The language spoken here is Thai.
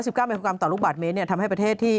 ๙มิโครกรัมต่อลูกบาทเมตรเนี่ยทำให้ประเทศที่